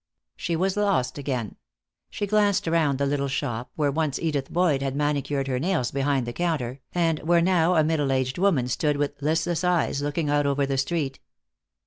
She was lost again. She glanced around the little shop, where once Edith Boyd had manicured her nails behind the counter, and where now a middle aged woman stood with listless eyes looking out over the street.